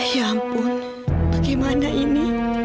ya ampun bagaimana ini